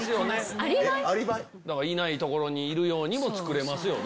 いない所にいるようにも作れますよね。